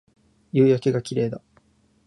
夕焼けが綺麗だ